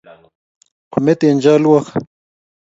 ometen chalwok